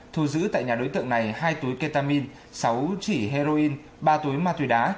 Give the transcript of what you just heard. thu giữ tại nhà đối tượng này hai túi ketamin sáu chỉ heroin ba túi ma túy đá